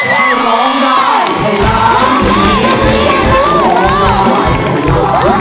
โหยดีใจสุขสุดนี่เลย